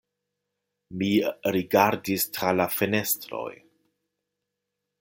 Mi rigardis tra la fenestroj.